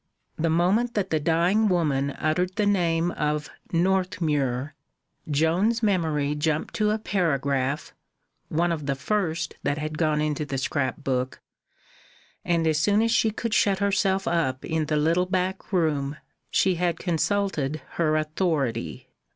The moment that the dying woman uttered the name of Northmuir, Joan's memory jumped to a paragraph (one of the first that had gone into the scrapbook), and as soon as she could shut herself up in the little back room, she had consulted her authority.